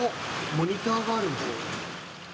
モニターがある。